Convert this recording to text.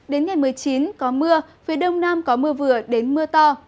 đến ngày một mươi chín có mưa phía đông nam có mưa vừa đến mưa to